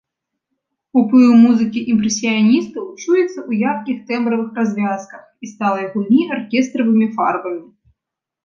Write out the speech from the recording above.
Уплыў музыкі імпрэсіяністаў чуецца ў яркіх тэмбравых развязках і сталай гульні аркестравымі фарбамі.